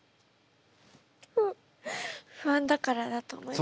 不安だからだと思います。